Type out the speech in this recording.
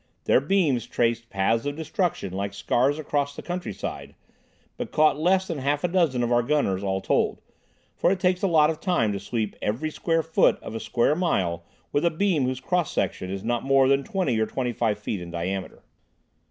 Their beams traced paths of destruction like scars across the countryside, but caught less than half a dozen of our gunners all told, for it takes a lot of time to sweep every square foot of a square mile with a beam whose cross section is not more than twenty or twenty five feet in diameter.